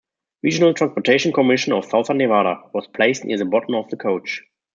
"Regional Transportation Commission of Southern Nevada" was placed near the bottom of the coach.